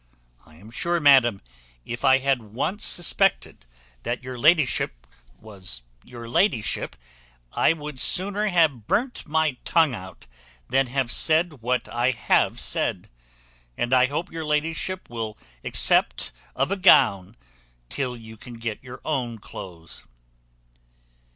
I am sure, madam, if I had once suspected that your ladyship was your ladyship, I would sooner have burnt my tongue out, than have said what I have said; and I hope your ladyship will accept of a gown, till you can get your own cloaths."